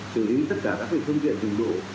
chú ý tất cả các hệ thống viện trường độ